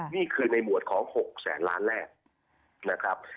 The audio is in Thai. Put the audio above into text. นี่คือในหมวดของ๖แสนล้านแรกนะครับ